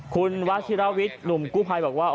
คุณวัชิราวิทย์หนุ่มกู้ภัยบอกว่า